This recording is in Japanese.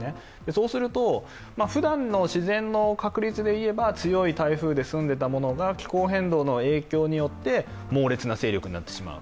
そうすると、ふだんの自然の確率で言えば強い台風で済んでいたものが気候変動の影響によって猛烈な勢力になってしまう。